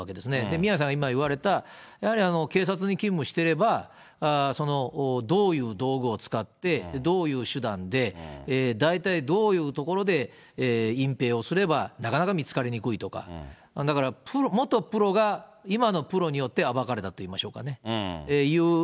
宮根さんが今言われた、やはり警察に勤務してれば、どういう道具を使って、どういう手段で、大体どういうところで隠ぺいをすればなかなか見つかりにくいとか、だから、元プロが今のプロによって、暴かれたといいましょうかね。